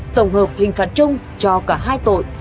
tổng hợp hình phạt trung cho cả hai tội